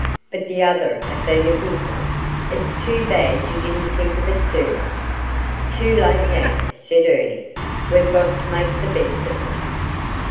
But the other'd 'a' been a good one. It's too bad you didn't think of it sooner." "Too late now," said Ernie. "We've got to make the best of it."